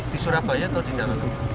di surabaya atau di dalam